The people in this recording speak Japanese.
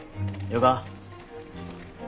よか？